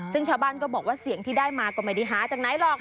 ซึ่งชาวบ้านก็บอกว่าเสียงที่ได้มาก็ไม่ได้หาจากไหนหรอก